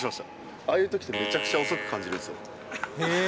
ああいうときってめちゃくちゃ遅く感じるんですよ。